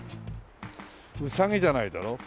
ウサギじゃないだろ。